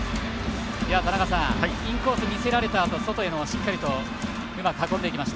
田中さん、インコース見せられたあと外へしっかりとうまく運んでいきました。